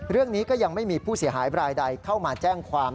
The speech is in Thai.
เรื่องนี้ก็ยังไม่มีผู้เสียหายบรายใดเข้ามาแจ้งความ